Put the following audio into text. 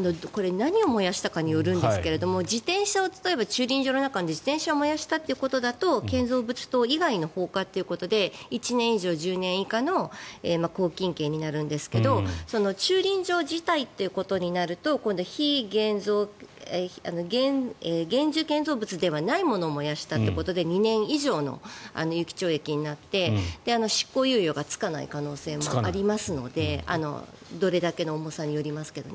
何を燃やしたかによるんですが例えば駐輪場の中で自転車を燃やしたということだと建造物等以外の放火ということで１年以上１０年以下の拘禁刑になるんですが駐輪場自体ということになると今度は現住建造物ではないものを燃やしたということで２年以上の有期懲役になって執行猶予がつかない可能性もありますのでどれだけの重さかによりますけどね。